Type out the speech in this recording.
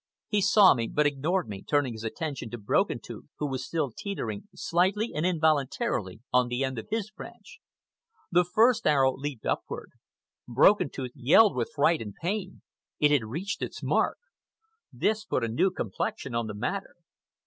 He saw me, but ignored me, turning his attention to Broken Tooth, who was still teetering slightly and involuntarily on the end of the branch. The first arrow leaped upward. Broken Tooth yelled with fright and pain. It had reached its mark. This put a new complexion on the matter.